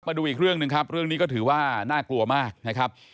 มาดูอีกเรื่องหนึ่งครับเรื่องนี้ก็ถือว่าน่ากลัวมากนะครับ